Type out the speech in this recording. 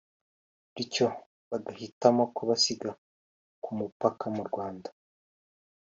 bityo bagahitamo kubasiga ku mupaka mu Rwanda